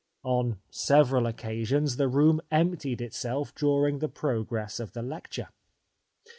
On several occasions the room emptied itself during the progress of the lecture.